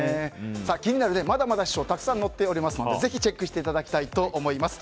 気になる師匠、まだまだたくさん載っておりますのでぜひチェックしていただきたいと思います。